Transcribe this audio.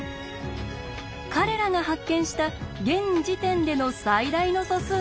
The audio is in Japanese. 彼らが発見した現時点での最大の素数がこちら！